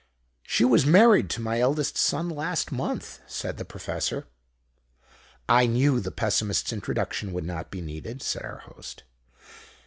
"She was married to my eldest son last month," said the Professor. "I knew the Pessimist's introduction would not be needed," said our Host.